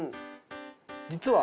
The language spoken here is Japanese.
実は。